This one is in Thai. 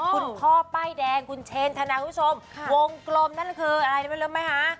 คุณพ่อป้ายแดงคุณเชนธนาคุณผู้ชมวงกลมนั่นคืออะไรไม่รู้ไหมคะ